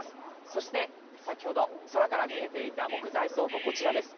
そして、先ほど空から見えていた木材倉庫、こちらです。